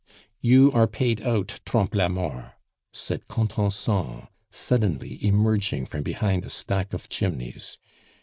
"You are paid out, Trompe la Mort," said Contenson, suddenly emerging from behind a stack of chimneys.